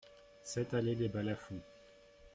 sept allée des Balafons